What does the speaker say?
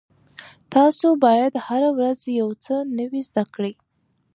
تاسو باید هره ورځ یو څه نوي زده کړئ.